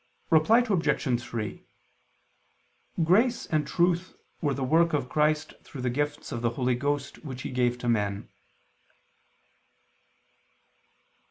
Reply Obj. 3: Grace and truth were the work of Christ through the gifts of the Holy Ghost which He gave to men.